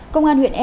công an huyện e